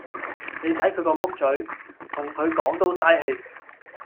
你睇佢個木嘴，同佢講都曬氣